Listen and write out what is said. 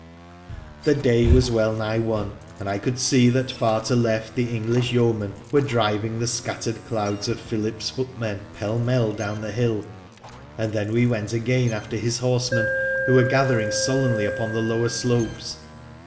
The day was wellnigh won, and I could see that far to left the English yeomen were driving the scattered clouds of Philip's footmen pell mell down the hill, and then we went again after his horsemen, who were gathering sullenly upon the lower slopes.